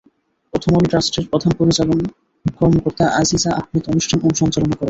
প্রথম আলো ট্রাস্টের প্রধান পরিচালন কর্মকর্তা আজিজা আহমেদ অনুষ্ঠান সঞ্চালনা করেন।